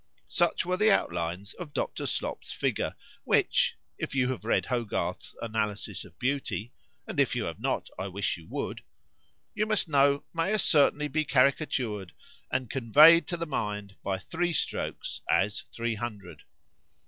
Such were the out lines of Dr. Slop's figure, which—if you have read Hogarth's analysis of beauty, and if you have not, I wish you would;——you must know, may as certainly be caricatured, and conveyed to the mind by three strokes as three hundred.